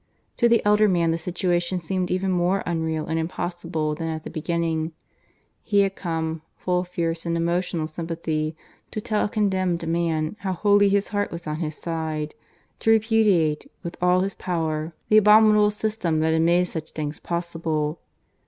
To the elder man the situation seemed even more unreal and impossible than at the beginning. He had come, full of fierce and emotional sympathy, to tell a condemned man how wholly his heart was on his side, to repudiate with all his power the abominable system that had made such things possible.